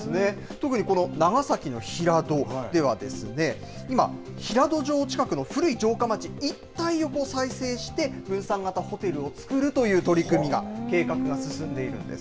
特にこの長崎の平戸ではですね、今、平戸城近くの古い城下町一帯を再生して分散型ホテルを作るという取り組みが、計画が進んでいるんです。